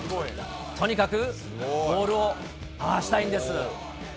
とにかくボールを回したいんです。